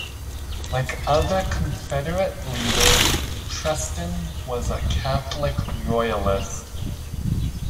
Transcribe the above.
Like other Confederate leaders, Preston was a Catholic Royalist.